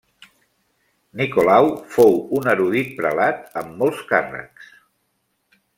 Nicolau fou un erudit prelat amb molts càrrecs.